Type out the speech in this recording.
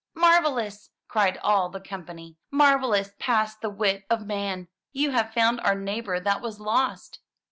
'* "Marvelous! cried all the company. ''Marvelous past the wit of man! You have found our neighbor that was lost!'